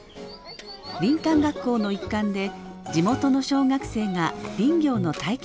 林間学校の一環で地元の小学生が林業の体験学習に来ました。